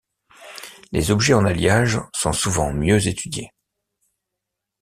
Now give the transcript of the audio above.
Les objets en alliage sont souvent mieux étudiés.